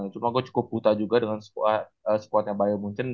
cuma gue cukup buta juga dengan sekuatnya bayo muncen